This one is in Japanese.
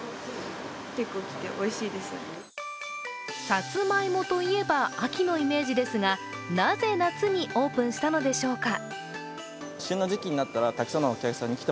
さつまいもといえば秋のイメージですが、なぜ夏にオープンしたのでしょうか。